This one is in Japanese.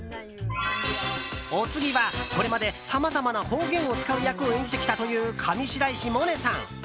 お次は、これまでさまざまな方言を使う役を演じてきたという上白石萌音さん。